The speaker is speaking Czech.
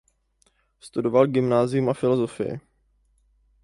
Studoval gymnázium a filozofii.